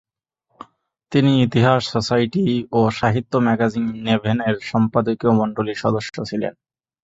তিনি ইতিহাস সোসাইটি ও সাহিত্য ম্যাগাজিন নেভেন-এর সম্পাদকীয় মন্ডলীর সদস্য ছিলেন।